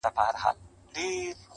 د فقیر لور په دربار کي ملکه سوه!.